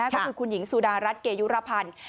ก็คือคุณหญิงสุดารัฐเกยุรพันธ์